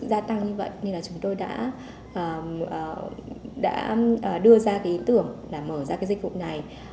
gia tăng như vậy chúng tôi đã đưa ra ý tưởng để mở ra dịch vụ này tuy nhiên ngoài ra chúng ta cũng có thể tìm hiểu về các dịch vụ này